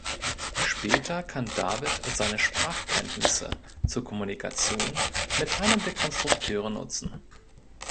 Später kann David seine Sprachkenntnisse zur Kommunikation mit einem der Konstrukteure nutzen.